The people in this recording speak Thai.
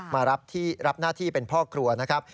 มารับหน้าที่เป็นพ่อครัวนะครับ